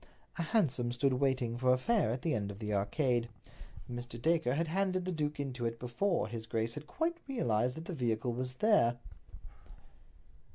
A hansom stood waiting for a fare at the end of the Arcade. Mr. Dacre had handed the duke into it before his grace had quite realized that the vehicle was there.